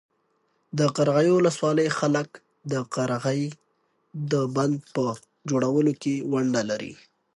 د قرغیو ولسوالۍ خلک د قرغې د بند په جوړولو کې ونډه لري.